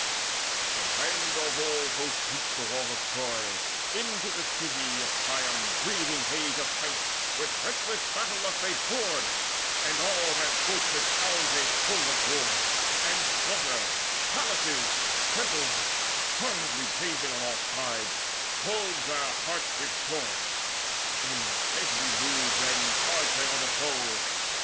But when the whole host reached the walls of Troy, Into the city of Priam, breathing rage Of fight, with reckless battle lust they poured; And all that fortress found they full of war And slaughter, palaces, temples, horribly Blazing on all sides; glowed their hearts with joy. In deadly mood then charged they on the foe.